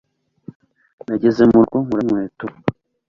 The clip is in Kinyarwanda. nageze mu rugo nkuramo inkweto